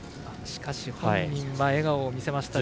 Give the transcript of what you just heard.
しかし本人は笑顔を見せました。